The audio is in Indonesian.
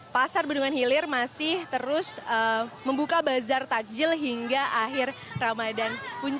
pasar bendungan hilir masih terus membuka bazar takjil hingga akhir ramadan